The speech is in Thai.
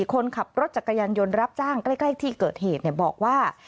คนขับรถจักรยานยนต์รับจ้างใกล้ที่เกิดเหตุบอกว่า